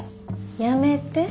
やめて。